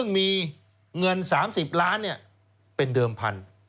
เงิน๓๐ล้านเนี่ยเป็นเดิมพันธุ์